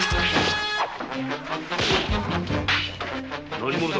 何者だ？